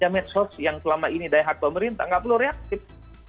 jamet sos yang selama ini daya hat pemerintah tidak perlu reaksis